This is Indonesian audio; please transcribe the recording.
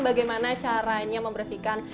bagaimana caranya membersihkan